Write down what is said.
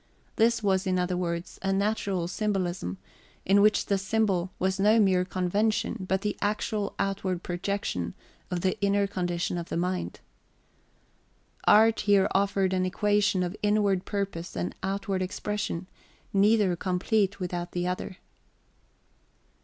This was, in other words, a natural symbolism, in which the symbol was no mere convention, but the actual outward projection of the inner condition of the mind. Art here offered an equation of inward purpose and outward expression, neither complete without the other.